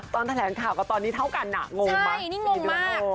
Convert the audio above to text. ตอนแถลงข่าวก็ตอนนี้เท่ากันน่ะงงมาก